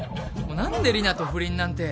何で里奈と不倫なんて。